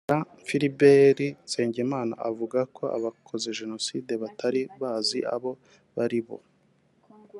Jean Philbert Nsengimana avuga ko abakoze Jenoside batari bazi abo bari bo